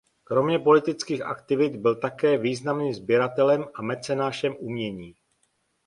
Kromě politických aktivit byl také významným sběratelem a mecenášem umění.